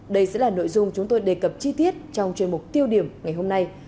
đây sẽ là nội dung chúng tôi đề cập chi tiết trong chuyên mục tiêu điểm ngày hôm nay